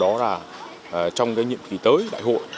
đó là trong nhiệm kỳ tới đại hội